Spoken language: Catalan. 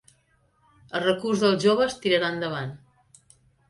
El recurs dels joves tirarà endavant